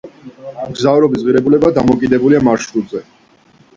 მგზავრობის ღირებულება დამოკიდებულია მარშრუტზე.